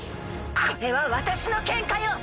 これは私のケンカよ！